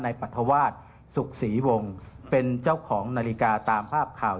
ปรัฐวาสสุขศรีวงศ์เป็นเจ้าของนาฬิกาตามภาพข่าว